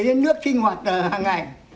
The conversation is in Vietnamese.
cái nước sinh hoạt hàng ngày